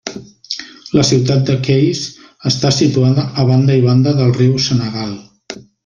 La ciutat de Kayes està situada a banda i banda del riu Senegal.